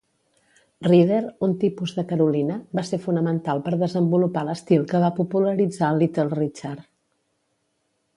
Reeder, un tipus de Carolina, va ser fonamental per desenvolupar l'estil que va popularitzar Little Richard.